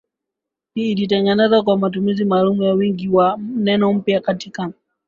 Ilitengenezwa kwa matumizi maalum ya wingi wa neno mpya katika